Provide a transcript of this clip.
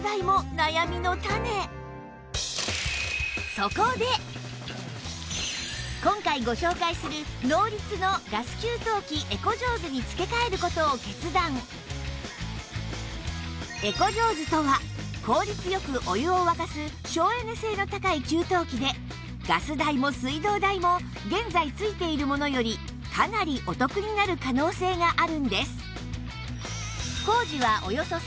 さらに今回ご紹介するエコジョーズとは効率よくお湯を沸かす省エネ性の高い給湯器でガス代も水道代も現在付いているものよりかなりお得になる可能性があるんです